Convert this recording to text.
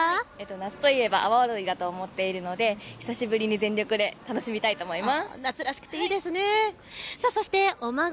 夏といえば阿波踊りだと思っているので久しぶりに全力で楽しみたいと思っています。